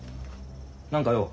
何か用？